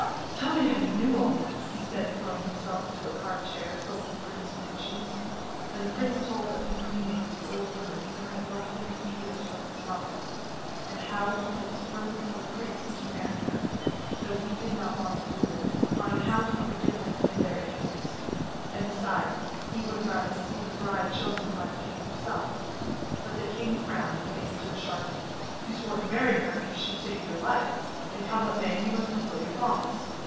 'Tell me how you knew all that,' he said, throwing himself into a carved chair filled with crimson cushions, and the prince told of his meeting with the old woman who had brought him the jewels from his mother, and how he had sworn before a priest to marry her, though he did not want to do it, on account of the difference in their ages, and besides, he would rather receive a bride chosen by the king himself. But the king frowned, and answered sharply: 'You swore to marry her if she saved your life, and, come what may, you must fulfil your promise.